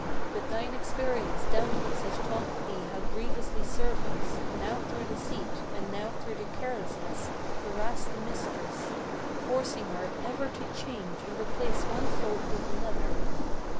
But thine experience doubtless has taught thee how grievously servants, Now through deceit, and now through their carelessness, harass the mistress, Forcing her ever to change and replace one fault with another.